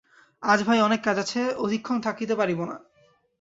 আজ ভাই অনেক কাজ আছে, অধিকক্ষণ থাকিতে পারিব না।